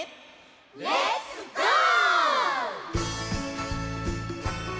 レッツゴー！